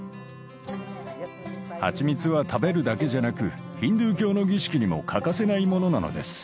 蜂蜜は食べるだけじゃなくヒンドゥー教の儀式にも欠かせないものなのです。